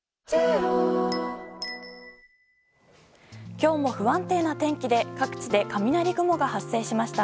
今日も不安定な天気で各地で雷雲が発生しました。